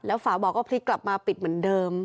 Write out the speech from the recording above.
ฝาบ่อก็พลิกกลับมาปิดเหมือนเดิม